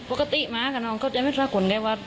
ปกติมากันเนอะเขาจะไม่ชอบคนไงว่า